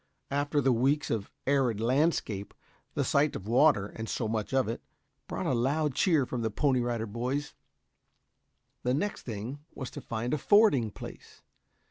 After the weeks of arid landscape the sight of water, and so much of it, brought a loud cheer from the Pony Rider Boys. The next thing was to find a fording place.